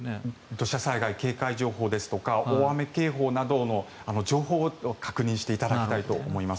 土砂災害警戒情報ですとか大雨警報の情報を確認していただきたいと思います。